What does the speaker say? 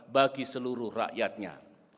bagi seluruh rakyatnya